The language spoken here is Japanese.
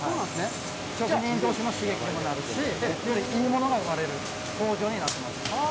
職人どうしの刺激にもなるし、よりいいものが生まれる工場になっています。